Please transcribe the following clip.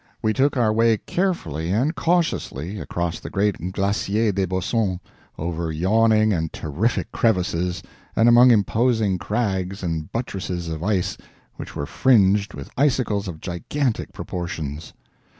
We took our way carefully and cautiously across the great Glacier des Bossons, over yawning and terrific crevices and among imposing crags and buttresses of ice which were fringed with icicles of gigantic proportions.